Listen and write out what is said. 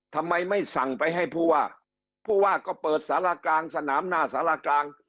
ทำไมไม่สั่งไปให้ผู้ว่าผู้ว่าก็เปิดสารกลางสนามหน้าสารกลาง